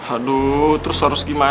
aduh terus harus gimana